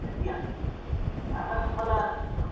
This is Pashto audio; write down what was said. د اوس لپاره له دې سیستم ګټه واخلئ.